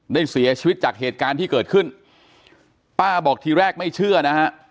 เสียชีวิตจากเหตุการณ์ที่เกิดขึ้นป้าบอกทีแรกไม่เชื่อนะฮะ